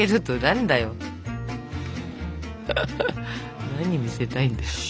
何見せたいんだよ。